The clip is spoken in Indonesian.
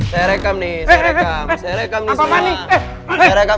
saya rekam nih saya rekam